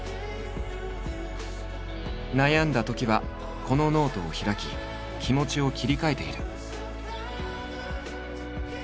悩んだときはこのノートを開き気持ちを切り替えている。